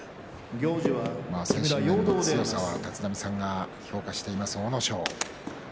精神面の強さは立浪さんが評価している阿武咲。